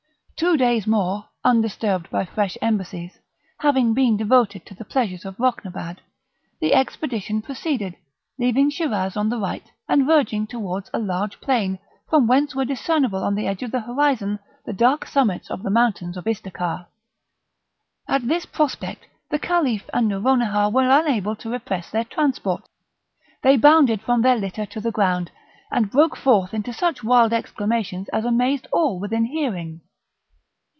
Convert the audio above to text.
Two days more, undisturbed by fresh embassies, having been devoted to the pleasures of Rocnabad, the expedition proceeded, leaving Shiraz on the right, and verging towards a large plain, from whence were discernible on the edge of the horizon the dark summits of the mountains of Istakar. At this prospect the Caliph and Nouronihar were unable to repress their transports; they bounded from their litter to the ground, and broke forth into such wild exclamations, as amazed all within hearing.